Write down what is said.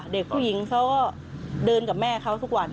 เด็กผู้หญิงเขาก็เดินกับแม่เขาทุกวัน